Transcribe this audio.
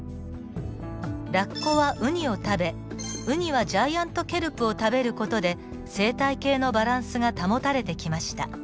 ラッコはウニを食べウニはジャイアントケルプを食べる事で生態系のバランスが保たれてきました。